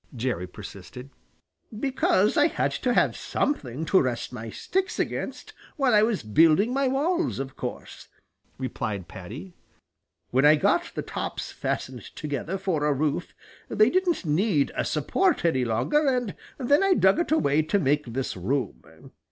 Jerry persisted. "Because I had to have something to rest my sticks against while I was building my walls, of course," replied Paddy. "When I got the tops fastened together for a roof, they didn't need a support any longer, and then I dug it away to make this room.